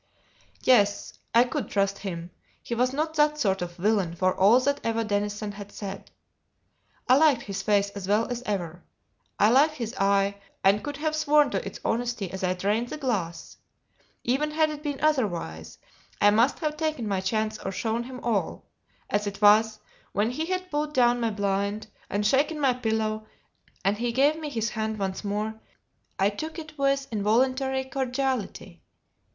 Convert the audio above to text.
Yes, I could trust him; he was not that sort of villain, for all that Eva Denison had said. I liked his face as well as ever. I liked his eye, and could have sworn to its honesty as I drained the glass. Even had it been otherwise, I must have taken my chance or shown him all; as it was, when he had pulled down my blind, and shaken my pillow, and he gave me his hand once more, I took it with involuntary cordiality.